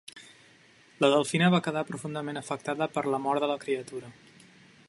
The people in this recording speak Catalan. La delfina va quedar profundament afectada per la mort de la criatura.